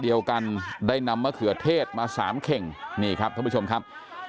เดียวกันได้นำมะเขือเทศมาสามเข่งนี่ครับท่านผู้ชมครับ